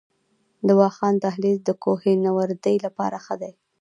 د واخان دهلیز د کوه نوردۍ لپاره ښه دی؟